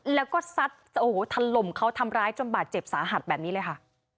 แล้วก็ซัดโอ้โหถล่มเขาทำร้ายจนบาดเจ็บสาหัสแบบนี้เลยค่ะ